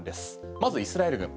まずイスラエル軍。